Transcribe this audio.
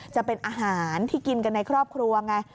จะเป็นอาหารที่กินกันในครอบครัวไง